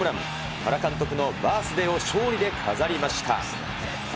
原監督のバースデーを勝利で飾りました。